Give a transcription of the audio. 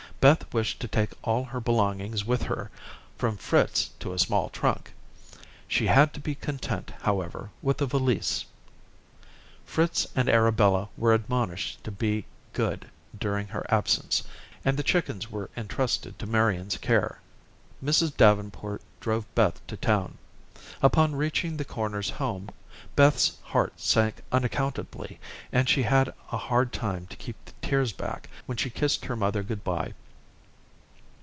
Beth wished to take all her belongings with her, from Fritz to a small trunk. She had to be content, however, with a valise. Fritz and Arabella were admonished to be good during her absence, and the chickens were entrusted to Marian's care. Mrs. Davenport drove Beth to town. Upon reaching the Corners' home, Beth's heart sank unaccountably, and she had a hard time to keep the tears back, when she kissed her mother good bye.